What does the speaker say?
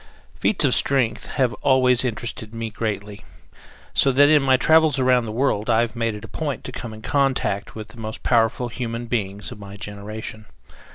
Feats of strength have always interested me greatly, so that in my travels around the world I have made it a point to come in contact with the most powerful human beings of my generation.